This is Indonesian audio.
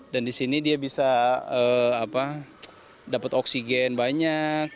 dan di sini dia bisa dapat oksigen banyak